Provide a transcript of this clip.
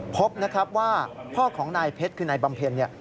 พบนะครับว่าพ่อของนายเพชรคือนายบำเพ็ญเนี่ย